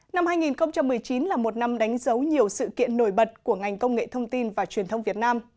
năm hai nghìn một mươi chín là một năm đánh dấu nhiều sự kiện nổi bật của ngành công nghệ thông tin và truyền thông việt nam